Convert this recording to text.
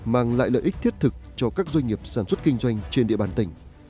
mang lại lợi ích thiết thực cho các doanh nghiệp sản xuất kinh doanh trên địa bàn tỉnh